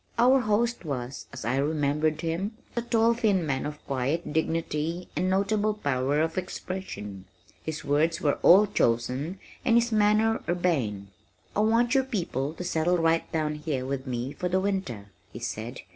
Our host was, as I remembered him, a tall thin man of quiet dignity and notable power of expression. His words were well chosen and his manner urbane. "I want you people to settle right down here with me for the winter," he said.